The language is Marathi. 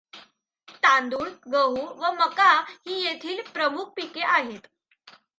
तांदूळ, गहू व मका ही येथील प्रमुख पिके आहेत.